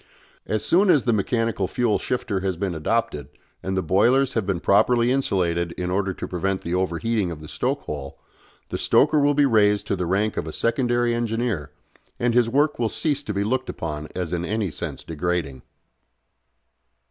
As soon as the mechanical fuel shifter has been adopted, and the boilers have been properly insulated in order to prevent the overheating of the stoke hole, the stoker will be raised to the rank of a secondary engineer, and his work will cease to be looked upon as in any sense degrading.